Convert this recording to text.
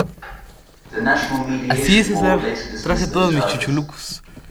The National Mediation Board later dismissed those charges.